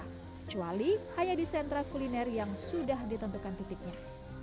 kecuali hanya di sentra kuliner yang sudah ditentukan titiknya